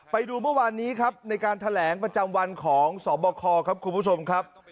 ไปดูเมื่อวานนี้ครับในการแถลงประจำวันของสบคครับคุณผู้ชมครับ